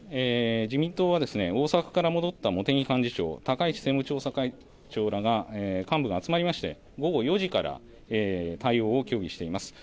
自民党は大阪から戻った茂木幹事長、高市政務調査会長ら、幹部が集まりまして午後４時から対応を協議しています。